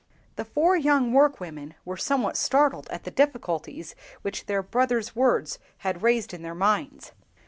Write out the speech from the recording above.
The four young workwomen were somewhat startled at the difficulties which their brother's words had raised in their minds.